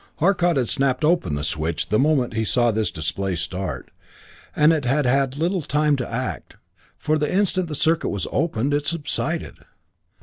Arcot had snapped open the switch the moment he saw this display start, and it had had little time to act, for the instant the circuit was opened, it subsided.